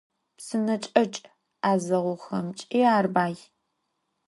Psıneç'eçç 'ezeğuxemç'i ar bay.